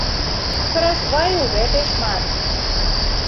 Хараства і ў гэтай шмат.